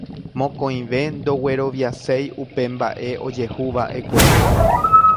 Mokõive ndogueroviaséi upe mbaʼe ojehuvaʼekue.